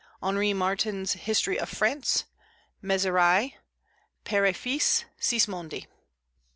Henri Martin's History of France; Mézerai; Péréfixe; Sismondi.